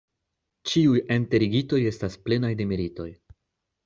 Ĉiuj enterigitoj estas plenaj de meritoj.